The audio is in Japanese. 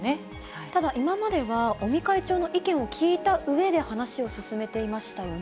ただ、今までは尾身会長の意見を聞いたうえで、話を進めていましたよね。